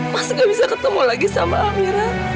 mas gak bisa ketemu lagi sama amira